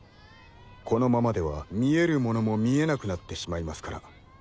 このままでは見えるものも見えなくなってしまいますから。